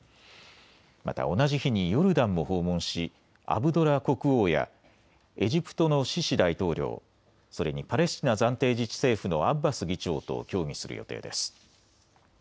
また同じ日にヨルダンも訪問しアブドラ国王やエジプトのシシ大統領、それにパレスチナ暫定自治政府のアッバス議長と協議する予定です。